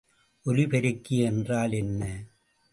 ஒலிப்பெருக்கி என்றால் என்ன?